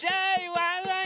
ワンワン